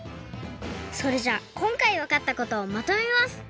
それじゃあこんかいわかったことをまとめます！